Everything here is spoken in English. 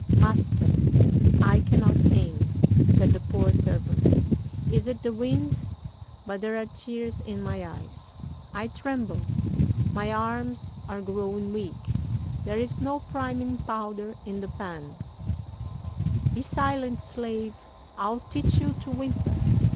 'Master, I cannot aim,' said the poor servant; 'is it the wind? But there are tears in my eyes I tremble my arms are growing weak; there is no priming powder in the pan' "'Be silent, slave; I'll teach you to whimper!